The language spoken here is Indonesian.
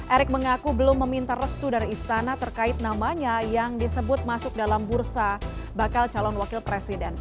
erick mengaku belum meminta restu dari istana terkait namanya yang disebut masuk dalam bursa bakal calon wakil presiden